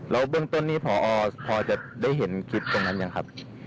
แล้วเบื้องต้นนี้พอจะได้เห็นคลิปตรงนั้นยังครับ